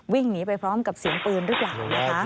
วิ่งหนีไปพร้อมกับเสียงปืนรึเปล่า